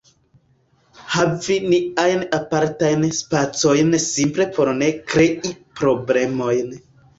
havi niajn apartajn spacojn simple por ne krei problemojn.